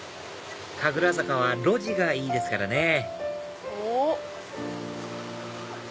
神楽坂は路地がいいですからねお！